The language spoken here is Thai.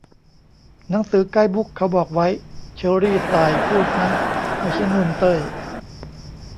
"หนังสือไกด์บุ๊กเขาบอกไว้" เชอรี่ ต่าย พูดนะ ไม่ใช่ นุ่น เต้ย